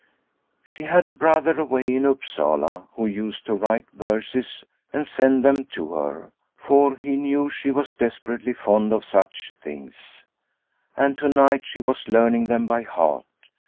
She had a brother away in Upsala who used to write verses and send them to her, for he knew she was desperately fond of such things. And to night she was learning them by heart.